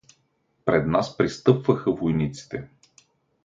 Пред нас пристъпваха войниците.